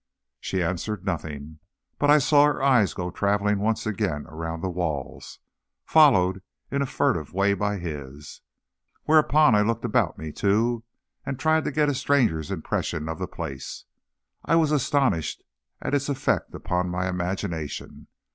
She answered nothing, but I saw her eyes go traveling once again around the walls, followed in a furtive way by his. Whereupon I looked about me, too, and tried to get a stranger's impression of the place. I was astonished at its effect upon my imagination.